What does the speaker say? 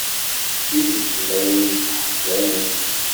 S tidet d ayen isseḥzanen.